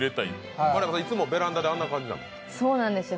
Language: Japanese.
いつもベランダであんな感じなんですか？